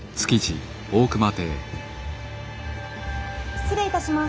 失礼いたします。